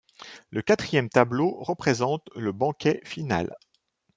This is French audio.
Le quatrième tableau représente le banquet final.